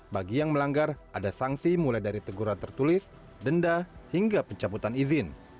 bagi yang melanggar ada sanksi mulai dari teguran tertulis denda hingga pencabutan izin